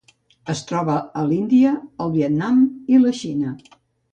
Es troba a l'Índia, el Vietnam i la Xina.